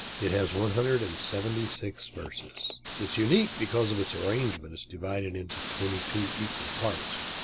It has one hundred and seventy six verses. It is unique because of its arrangement. It is divided into twenty two equal parts.